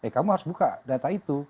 kamu harus buka data itu